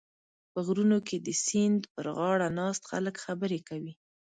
په غرونو کې د سیند پرغاړه ناست خلک خبرې کوي.